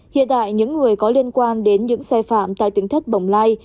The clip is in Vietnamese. hiện tại những người có liên quan đến những sai phạm tại tính thất bồng lai